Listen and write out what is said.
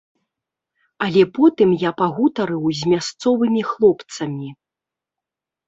Але потым я пагутарыў з мясцовымі хлопцамі.